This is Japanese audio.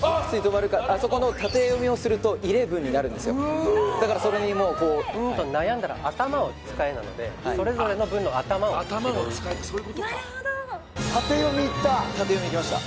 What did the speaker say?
なるほどあそこの縦読みをするといレブんになるんすよだからそこにもうこうんーと悩んだら頭を使えなのであっ頭を使えってそういうことかなるほど縦読みいった縦読みいきました